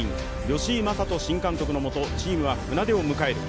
吉井理人新監督のもと、チームは船出を迎える。